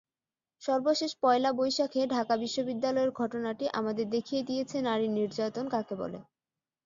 সর্বশেষ পয়লা বৈশাখে ঢাকা বিশ্ববিদ্যালয়ের ঘটনাটি আমাদের দেখিয়ে দিয়েছে নারী নির্যাতন কাকে বলে।